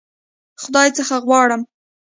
خدای څخه غواړم.